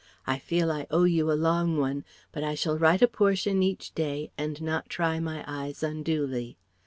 I feel I owe you a long one; but I shall write a portion each day and not try my eyes unduly.